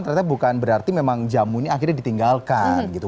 ternyata bukan berarti memang jamu ini akhirnya ditinggalkan gitu